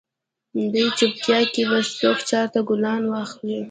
دې چوپیتا کې به څوک چاته ګلان واخلي؟